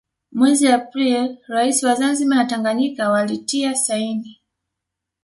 Mwezi Aprili rais wa Zanzibar na Tanganyika walitia saini